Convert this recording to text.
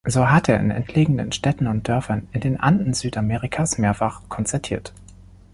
So hat er in entlegenen Städten und Dörfern in den Anden Südamerikas mehrfach konzertiert.